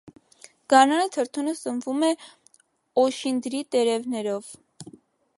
Գարնանը թրթուրը սնվում է օշինդրի տերևներով։